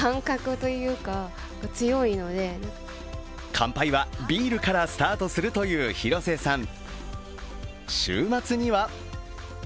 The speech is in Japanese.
乾杯はビールからスタートするという広瀬さん。